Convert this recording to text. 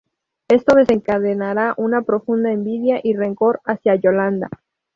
Esto desencadenará una profunda envidia y rencor hacia Yolanda.